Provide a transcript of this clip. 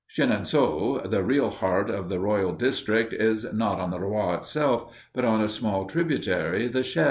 Chenonceaux, the real heart of the royal district, is not on the Loire itself, but on a small tributary, the Cher.